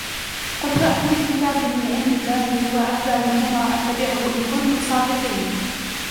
قل فأتوا بكتاب من عند الله هو أهدى منهما أتبعه إن كنتم صادقين